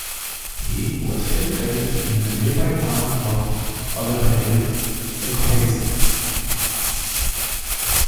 He was educated in the nearby town of Odorheiu-Secuiesc.